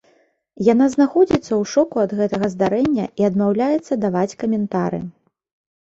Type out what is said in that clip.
Яна знаходзіцца ў шоку ад гэтага здарэння і адмаўляецца даваць каментары.